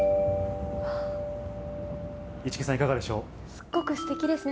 すっごくすてきですね。